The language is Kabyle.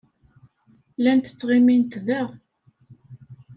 Llant ttɣimint da.